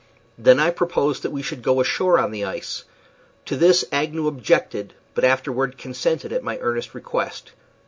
Then I proposed that we should go ashore on the ice. To this Agnew objected, but afterward consented, at my earnest request.